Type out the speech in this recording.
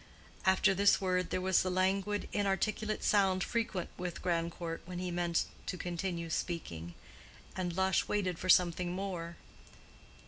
After this word there was the languid inarticulate sound frequent with Grandcourt when he meant to continue speaking, and Lush waited for something more.